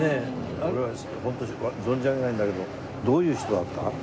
俺はホント存じ上げないんだけどどういう人だった？